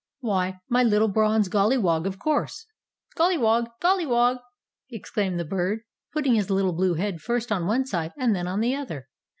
"Why, my little bronze Golliwog, of course." "Golliwog! Golliwog!" exclaimed the Bird, putting his little blue head first on one side and then on the other.